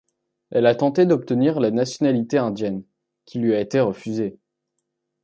Elle a tenté d'obtenir la nationalité indienne, qui lui a été refusée.